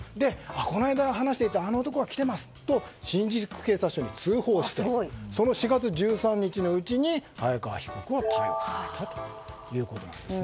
この間話していたあの男がいますと新宿警察署に通報してその４月１３日のうちに早川被告は逮捕されたということです。